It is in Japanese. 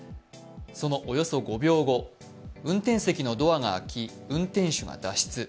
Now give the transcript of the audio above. そのおよそ５秒後、運転席のドアを開き、運転手が脱出。